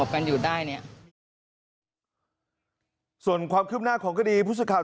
กับกันอยู่ได้เนี้ยส่วนความคืบหน้าของกดีพุทธสุดข่าว